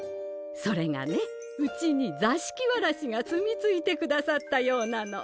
それがねうちにざしきわらしが住み着いてくださったようなの。